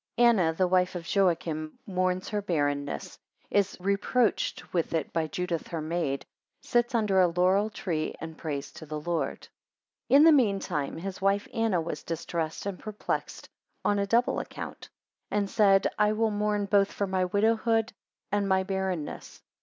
1 Anna, the wife of Joachim mourns her barrenness, 6 is reproached with it by Judith her maid, 9 sits under a laurel tree and prays to the Lord. IN the mean time his wife Anna was distressed and perplexed on a double account, and said, I will mourn both for my widowhood and my barrenness.